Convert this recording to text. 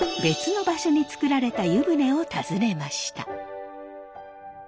別の場所に作られた湯船を訪ねました。